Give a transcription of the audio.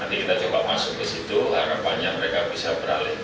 nanti kita coba masuk ke situ harapannya mereka bisa beralih